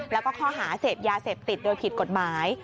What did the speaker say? แล้วก็ข้อหาเสพยาเสพติดโดยผิดกฎหมาย